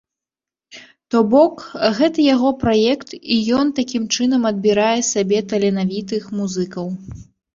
То бок, гэта яго праект і ён такім чынам адбірае сабе таленавітых музыкаў.